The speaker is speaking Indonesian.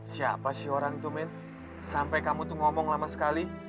siapa sih orang itu men sampai kamu tuh ngomong lama sekali